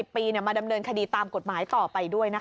ปีมาดำเนินคดีตามกฎหมายต่อไปด้วยนะคะ